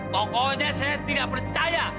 pokoknya saya tidak percaya